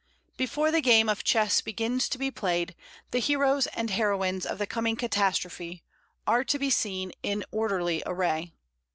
Before the game of chess begins to be played, the heroes and heroines of the coming catastrophe are to be seen in orderly array.